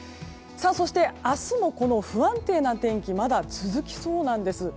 そして、明日もこの不安定な天気まだ続きそうなんです。